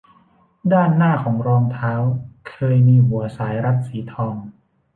ด้านหน้าของรองเท้าเคยมีหัวสายรัดสีทอง